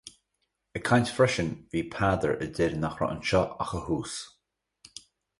Ag caint freisin, bhí Peadar a deir nach raibh anseo ach a thús.